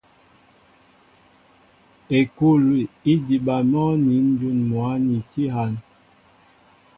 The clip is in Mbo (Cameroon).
Ekûli é diba mɔ́ nín ǹjún mwǎ ni tí hân.